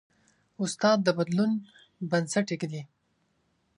استاد د بدلون بنسټ ایږدي.